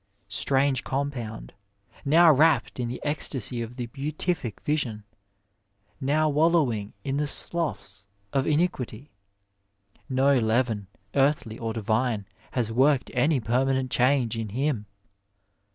Strange compound, now wrapt in the ecstasy of the beatific vision, now wallowing in the sloughs of iniquity, no leaven, earthly or divine, has worked any permanent change in him.